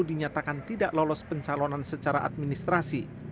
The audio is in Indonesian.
menyatakan tidak lolos pensalonan secara administrasi